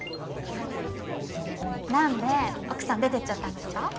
何で奥さん出てっちゃったんですか？